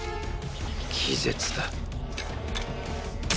“気絶”だ